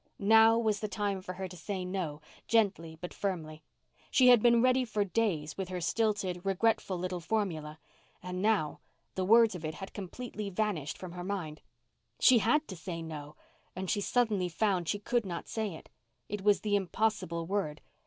Now was the time for her to say no, gently but firmly. She had been ready for days with her stilted, regretful little formula. And now the words of it had completely vanished from her mind. She had to say no—and she suddenly found she could not say it. It was the impossible word.